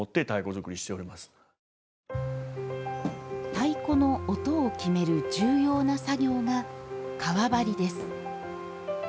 太鼓の音を決める重要な作業が革張りです。